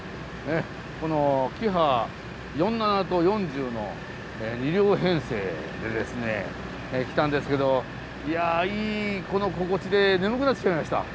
このキハ４７と４０の２両編成でですね来たんですけどいやいい心地で眠くなってしまいました。